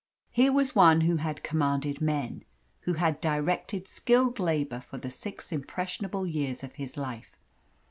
Here was one who had commanded men who had directed skilled labour for the six impressionable years of his life.